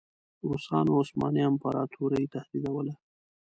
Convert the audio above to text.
روسانو عثماني امپراطوري تهدیدوله.